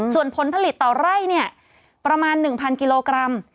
ส่วนผลผลิตต่อไร่ประมาณ๑๐๐กิโลกรัม